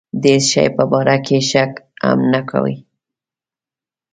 د هېڅ شي په باره کې شک هم نه کوي.